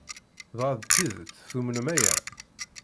Dɣa d tidet tumnem aya?